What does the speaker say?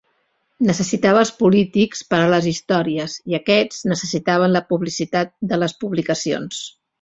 Necessitava els polítics per a les històries i aquests necessitaven la publicitat de les publicacions.